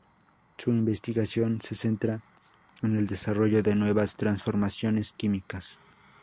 Su investigación se centra en el desarrollo de nuevas transformaciones químicas.